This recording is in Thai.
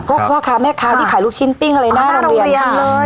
พ่อค้าแม่ค้าที่ขายลูกชิ้นปิ้งอะไรหน้าโรงเรียน